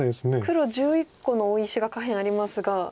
黒１１個の大石が下辺ありますが。